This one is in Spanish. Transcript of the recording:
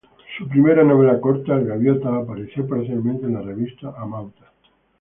Su primera novela corta, "El Gaviota", apareció parcialmente en la revista "Amauta".